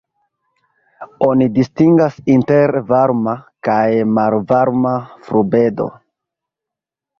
Oni distingas inter varma kaj malvarma frubedo.